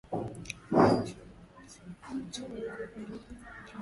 baada ya uchaguzi huko nchini cote de voire